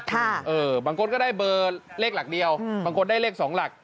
เออบางคนก็ได้เบอร์เลขหลักเดียวอืมบางคนได้เลขสองหลัก